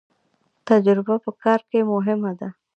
تجربه په کار کې مهمه ده